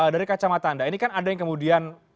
dari kacamata anda ini kan ada yang kemudian